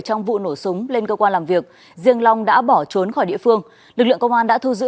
trong vụ nổ súng lên cơ quan làm việc riêng long đã bỏ trốn khỏi địa phương lực lượng công an đã thu giữ